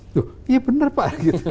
duh iya benar pak